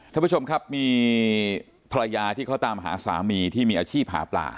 ท่านผู้ชมครับมีภรรยาที่เขาตามหาสามีที่มีอาชีพหาปลา